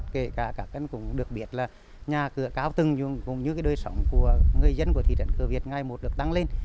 kể cả các em cũng được biết là nhà cửa cao tưng cũng như cái đôi sống của người dân của thị trấn cửa việt ngày một được tăng lên